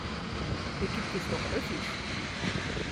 Hier gibt es doch Öffis.